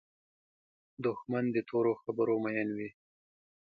دښمن د تورو خبرو مین وي